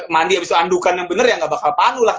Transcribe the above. mandi abis itu andukan yang bener ya gak bakal panu lah kan